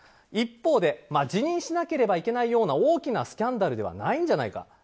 一方で辞任しなければいけないような大きなスキャンダルではないんじゃないか。